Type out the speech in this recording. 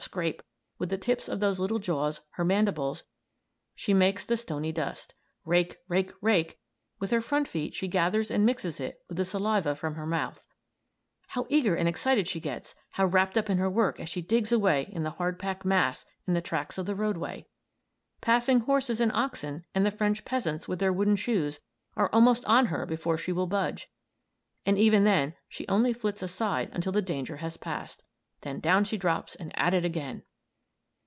Scrape! With the tips of those little jaws, her mandibles, she makes the stony dust. Rake! Rake! Rake! With her front feet she gathers and mixes it with the saliva from her mouth. How eager and excited she gets, how wrapped up in her work as she digs away in the hard packed mass in the tracks of the roadway! Passing horses and oxen, and the French peasants with their wooden shoes, are almost on her before she will budge. And even then she only flits aside until the danger has passed. Then down she drops and at it again!